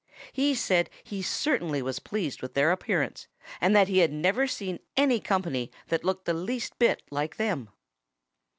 He said he certainly was pleased with their appearance and that he had never seen any company that looked the least bit like them.